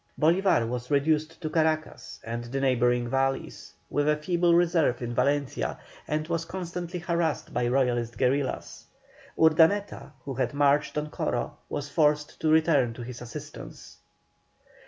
Bolívar was reduced to Caracas and the neighbouring valleys, with a feeble reserve in Valencia, and was constantly harassed by Royalist guerillas. Urdaneta, who had marched on Coro, was forced to return to his assistance.